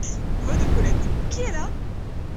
Voix de Paulette. — Qui est là ?